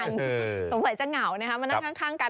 สงสัยจะเหงานะคะมานั่งข้างกัน